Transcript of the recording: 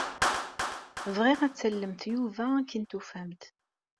Bɣiɣ ad tallemt Yuba akken tufamt.